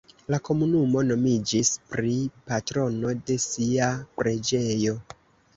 La komunumo nomiĝis pri patrono de sia preĝejo.